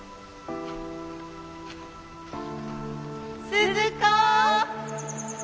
鈴子！